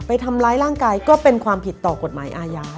ไปทำร้ายร่างกายก็เป็นความผิดต่อกฎหมายอาญา